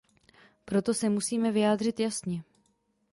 Proto se musíme vyjádřit jasně.